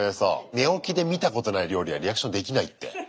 寝起きで見たことない料理はリアクションできないって。